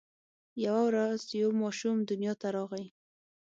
یوه ورځ یو ماشوم دنیا ته راغی.